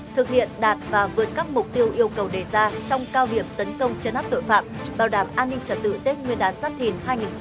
thực hiện đạt và vượt các mục tiêu yêu cầu đề ra trong cao điểm tấn công chấn áp tội phạm bảo đảm an ninh trật tự tết nguyên đán giáp thìn hai nghìn hai mươi bốn